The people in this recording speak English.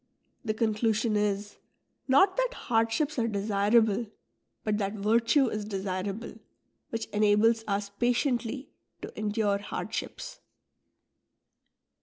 The conclusion is, not that hardships are desirable, but that virtue is desir able, which enables us patiently to endure hardships.